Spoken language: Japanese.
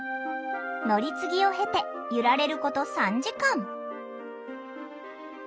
乗り継ぎを経て揺られること３時間。